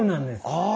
ああ！